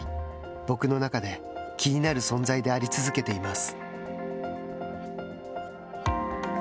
僕の中で、気になる存在であり続けています。